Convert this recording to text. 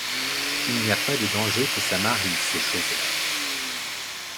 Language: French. Il n’y a pas de danger que ça m’arrive, ces choses-là !